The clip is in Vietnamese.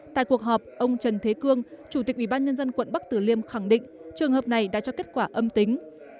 tại cuộc họp ông trần thế cương chủ tịch ủy ban nhân dân quận bắc tử liêm khẳng định trường hợp này đã cho kết quả âm tính